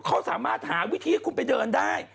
คุณเขาสามารถหาวิธีของไปเดินได้